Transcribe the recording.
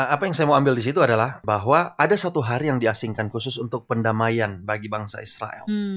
apa yang saya mau ambil di situ adalah bahwa ada satu hari yang diasingkan khusus untuk pendamaian bagi bangsa israel